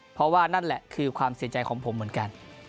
เพราะว่านั่นแหละคือความเสียใจของผมเหมือนกัน